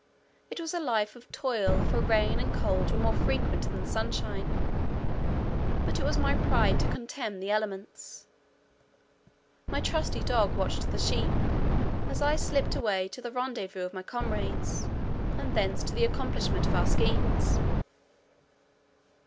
It was a life of toil; for rain and cold were more frequent than sunshine; but it was my pride to contemn the elements. My trusty dog watched the sheep as I slipped away to the rendezvous of my comrades, and thence to the accomplishment of our schemes.